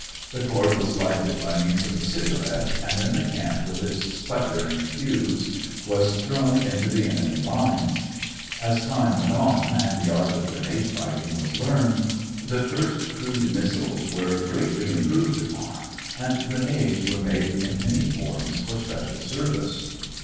The cord was lighted by means of a cigarette and then the can with its spluttering fuse was thrown into the enemy lines. As time went on and the art of grenade fighting was learned, the first crude missiles were greatly improved upon and grenades were made in many forms for special service.